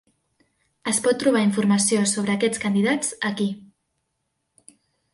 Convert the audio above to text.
Es pot trobar informació sobre aquests candidats aquí.